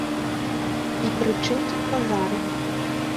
І пры чым тут пажары?